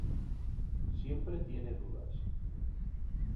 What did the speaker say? Siempre tiene dudas.